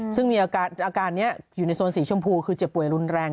ซึ่งมีอาการนี้อยู่ในโซนสีชมพูคือเจ็บป่วยรุนแรง